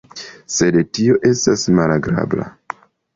Sed tio estas malagrabla.